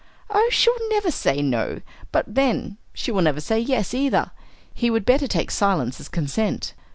"Oh, she'll never say no; but then she will never say yes, either. He would better take silence as consent!